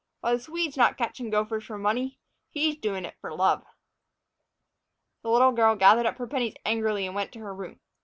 "Why, th' Swede's not catchin' gophers for money; he's doin' it for love." The little girl gathered up her pennies angrily and went to her room.